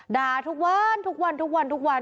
ด่าทุกวันทุกวันทุกวันทุกวัน